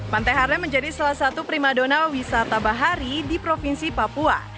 pantai harlem menjadi salah satu prima donal wisata bahari di provinsi papua